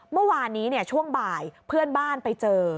เมื่อวานนี้ช่วงบ่ายเพื่อนบ้านไปเจอ